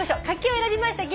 「柿」を選びました